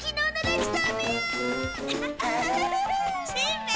しんべヱ！